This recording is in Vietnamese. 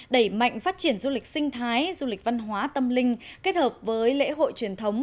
đẩy mạnh phát triển du lịch sinh thái du lịch văn hóa tâm linh kết hợp với lễ hội truyền thống